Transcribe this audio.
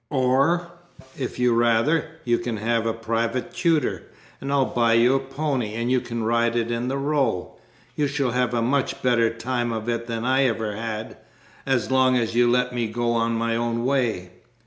Of, if you'd rather, you can have a private tutor. And I'll buy you a pony, and you can ride in the Row. You shall have a much better time of it than I ever had, as long as you let me go on my own way."